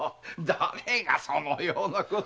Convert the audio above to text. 誰がそのようなことを。